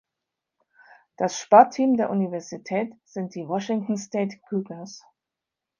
Das Sportteam der Universität sind die "Washington State Cougars".